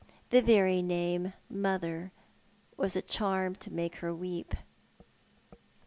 The very name Mother was a charm to make her weep.